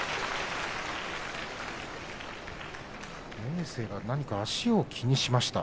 明生が何か足を気にしました。